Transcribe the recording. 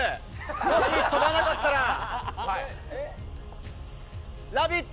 もし飛ばなかったら「ラヴィット！」